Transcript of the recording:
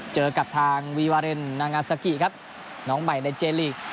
เจอกับทางวีวาเรนนางาซากิครับน้องใหม่ในเจลีก